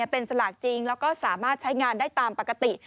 เป็นสลากจริงแล้วก็สามารถใช้งานได้ตามปกติ